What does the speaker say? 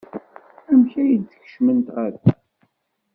Amek ay d-tkecmemt ɣer da?